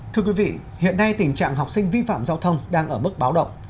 thưa quý vị hiện nay tình trạng học sinh vi phạm giao thông đang ở mức báo động